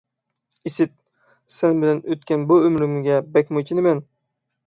ئىسىت، سەن بىلەن ئۆتكەن بۇ ئۆمرۈمگە بەكمۇ ئېچىنىمەن...